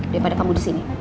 daripada kamu disini